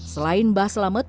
selain mbah selamet